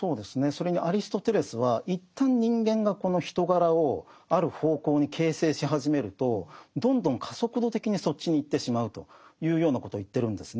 それにアリストテレスは一旦人間がこの人柄をある方向に形成し始めるとどんどん加速度的にそっちに行ってしまうというようなことを言ってるんですね。